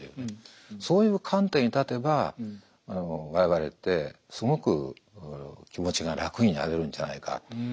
そういう観点に立てば我々ってすごく気持ちが楽になれるんじゃないか。